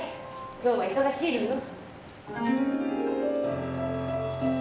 今日は忙しいのよ。